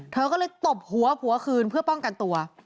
เธอก็เลยตบหัวผัวคืนเพื่อป้องกันตัว